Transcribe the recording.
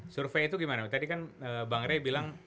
survei itu gimana tadi kan bang ray bilang